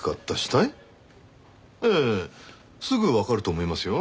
ええすぐわかると思いますよ。